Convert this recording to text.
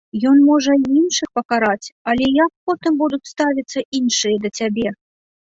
Ён можа і іншых пакараць, але як потым будуць ставіцца іншыя да цябе?